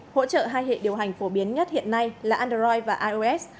hỗ trợ hai hệ điều hành phổ biến nhất hiện nay là android và ios